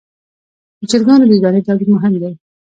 د چرګانو د دانې تولید مهم دی